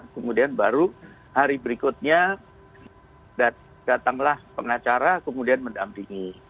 kemudian baru hari berikutnya datanglah pengacara kemudian mendampingi